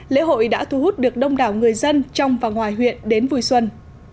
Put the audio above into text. lễ hội đã thu hút được đông đảo người dân trong và ngoài huyện đến vui xuân